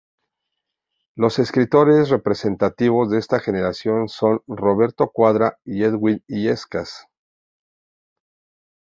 Los escritores representativos de esta generación son: Roberto Cuadra y Edwin Illescas.